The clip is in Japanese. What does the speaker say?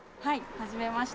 はじめまして。